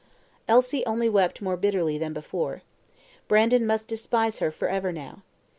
Elsie only wept more bitterly than before. Brandon must despise her for ever now.